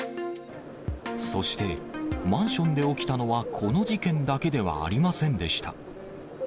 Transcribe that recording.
そして、マンションで起きたのはこの事件だけではありませんでした。